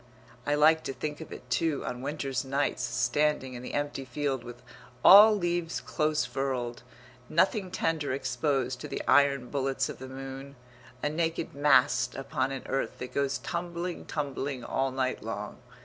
I like to think of it, too, on winter's nights standing in the empty field with all leaves close furled, nothing tender exposed to the iron bullets of the moon, a naked mast upon an earth that goes tumbling, tumbling, all night long.